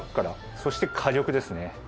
そして火力ですね。